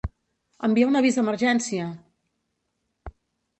Envia un avís d'emergència!